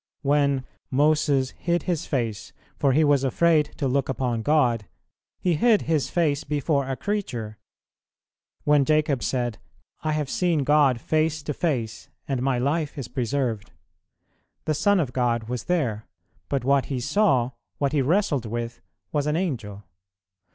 When "Moses hid his face, for he was afraid to look upon God," he hid his face before a creature; when Jacob said, "I have seen God face to face and my life is preserved," the Son of God was there, but what he saw, what he wrestled with, was an Angel.